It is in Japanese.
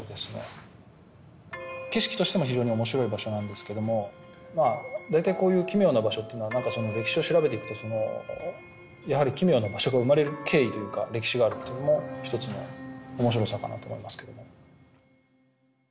景色としても非常に面白い場所なんですけども大体こういう奇妙な場所っていうのはなんかその歴史を調べていくとやはり奇妙な場所が生まれる経緯というか歴史があるっていうのも一つの面白さかなと思いますけども。